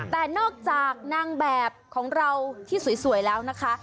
แต่นอกจากนางแบบของเราที่สวยแล้วนะคะ